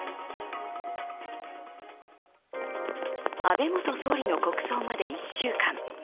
安倍元総理の国葬まで１週間。